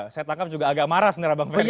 saya tangkap juga agak marah sebenarnya bang ferry